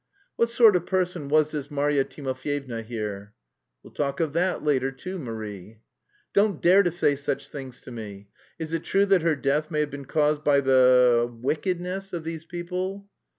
"What sort of person was this Marya Timofyevna here?" "We'll talk of that later too, Marie." "Don't dare to say such things to me! Is it true that her death may have been caused by... the wickedness... of these people?"